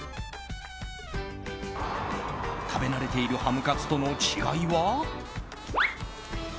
食べ慣れているハムカツとの違いは。